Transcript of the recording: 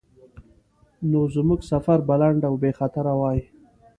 نو زموږ سفر به لنډ او بیخطره وای.